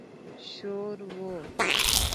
شور و.